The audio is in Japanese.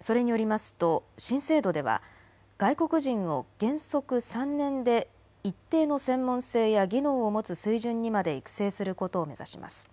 それによりますと新制度では外国人を原則３年で一定の専門性や技能を持つ水準にまで育成することを目指します。